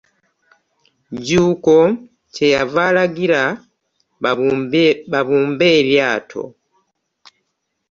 Jjuuko kyeyava aligira babumbe eryato .